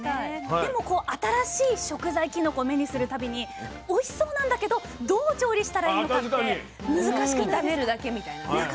でも新しい食材きのこ目にするたびにおいしそうなんだけどどう調理したらいいのかって難しくないですか。